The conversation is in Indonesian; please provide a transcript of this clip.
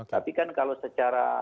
tapi kan kalau secara